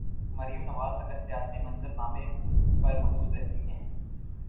مریم نواز اگر سیاسی منظر نامے پر موجود رہتی ہیں۔